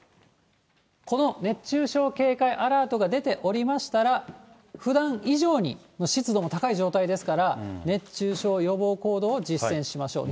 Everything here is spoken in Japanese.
この熱中症警戒アラートが出ておりましたら、ふだん以上に、湿度も高い状態ですから、熱中症予防行動を実践しましょう。